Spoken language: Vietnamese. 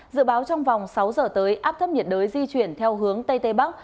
dự báo trong vòng sáu giờ tới áp thấp nhiệt đới di chuyển theo hướng tây tây bắc